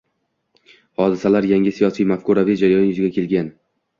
Hodisalar yangi siyosiy-mafkuraviy jarayon yuzaga kelgan